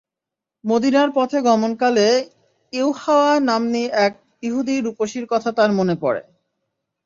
মদীনার পথে গমনকালে ইউহাওয়া নাম্নী এক ইহুদী রূপসীর কথা তার মনে পড়ে।